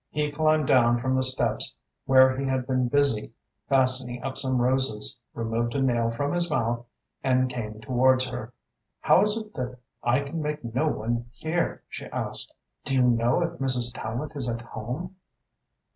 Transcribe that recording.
He climbed down from the steps where he had been busy fastening up some roses, removed a nail from his mouth and came towards her. "How is it that I can make no one hear?" she asked. "Do you know if Mrs. Tallente is at home?"